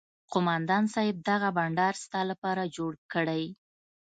قومندان صايب دغه بنډار ستا لپاره جوړ کړى.